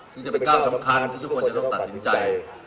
ซึ่งจะเป็นก้าวสำคัญที่ทุกคนจะต้องตัดสินใจ